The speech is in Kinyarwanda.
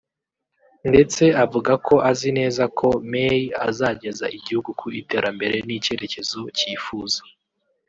ndetse avuga ko azi neza ko May azageza igihugu ku iterambere n’icyerekezo cyifuza